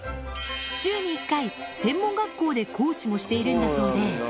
週に１回、専門学校で講師もしているんだそうで。